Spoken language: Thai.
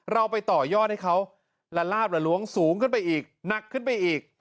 เราไปต่อยอดให้เขาละลาบละล้วงสูงขึ้นไปอีกหนักขึ้นไปอีก